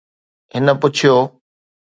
هن پڇيو